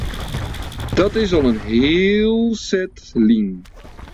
Dat is al in heel set lyn.